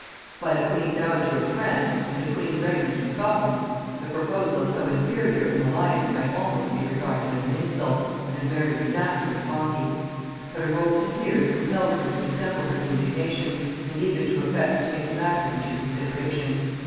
By a queen dowager of France, and a queen regnant of Scotland, the proposal of so inferior an alliance might almost be regarded as an insult, and Mary was naturally haughty; but her hopes and fears compelled her to dissemble her indignation, and even to affect to take the matter into consideration.